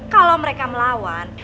kalau mereka melawan